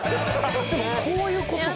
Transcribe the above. でもこういう事か。